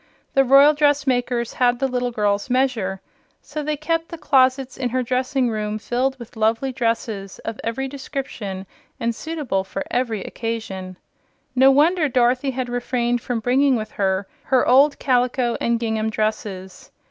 The royal dressmakers had the little girl's measure, so they kept the closets in her dressing room filled with lovely dresses of every description and suitable for every occasion. No wonder Dorothy had refrained from bringing with her her old calico and gingham dresses!